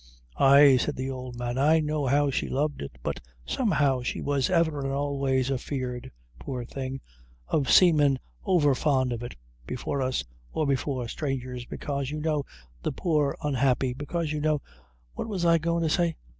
"Ay," said the old man, "I know how she loved it; but, somehow, she was ever and always afeard, poor thing, of seemin' over fond of it before us or before strangers, bekaise you know the poor unhappy bekaise you know what was I goin' to say?